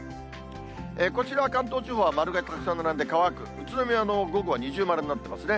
こちらは関東地方は丸がたくさん並んで乾く、宇都宮の午後は二重丸になってますね。